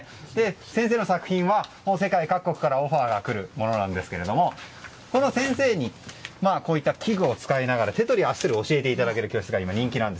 先生の作品は、世界各国からオファーが来るものなんですがこの先生にこういった器具を使いながら手とり足とり教えていただける教室が今、人気なんです。